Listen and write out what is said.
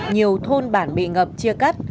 nhiều thôn bản bị ngập chia cắt